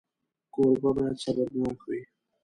کوربه باید صبرناک وي.